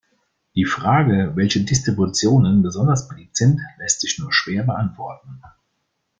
Die Frage, welche Distributionen besonders beliebt sind, lässt sich nur schwer beantworten.